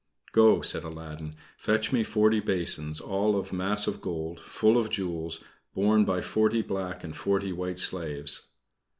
"Go," said Aladdin, "fetch me forty basins all of massive gold, full of jewels, borne by forty black and forty white slaves."